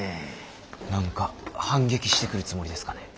何か反撃してくるつもりですかね。